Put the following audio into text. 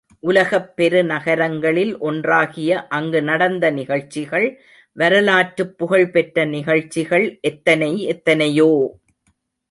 உலகப் பெருநகரங்களில் ஒன்றாகிய அங்கு நடந்த நிகழ்ச்சிகள், வரலாற்றுப் புகழ் பெற்ற நிகழ்ச்சிகள் எத்தனை, எத்தனையோ!